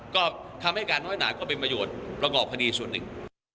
ก็ทำให้การเอาน้อยนาก็เป็นประโยชน์รองออกพอดีส่วนนึง